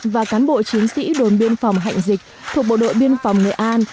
và cán bộ chiến sĩ đồn biên phòng hạnh dịch thuộc bộ đội biên phòng nghệ an